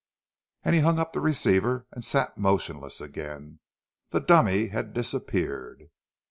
And he hung up the receiver, and sat motionless again. The dummy had disappeared!